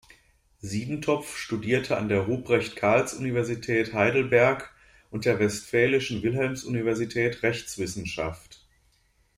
Siedentopf studierte an der Ruprecht-Karls-Universität Heidelberg und der Westfälischen Wilhelms-Universität Rechtswissenschaft.